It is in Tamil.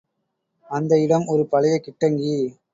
அந்த இடம் ஒரு பழைய கிட்டங்கி.